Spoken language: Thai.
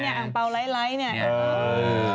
อังเปราไอร์ไหล่